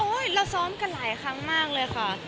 โอ้ยเราซ้อมกันหลายครั้งมากเลยครับ